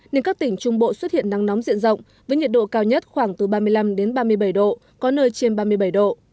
nên các tỉnh trung bộ xuất hiện nắng nóng diện rộng với nhiệt độ cao nhất khoảng từ ba mươi năm ba mươi bảy độ có nơi trên ba mươi bảy độ